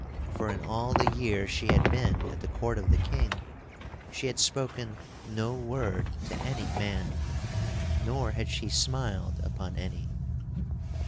For in all the year she had been at the court of the King, she had spoken no word to any man, nor had she smiled upon any.